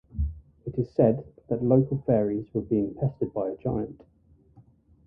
It is said that the local fairies were being pestered by a giant.